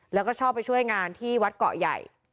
แล้วก็ชอบไปช่วยงานที่วัดเกาะใหญ่